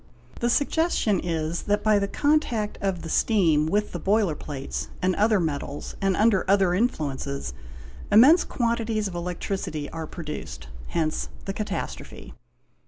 The suggestion is that by the contact of the steam with the boiler plates and other metals and under other influences, immense quantities of electricity are produced ; hence the catastrophe.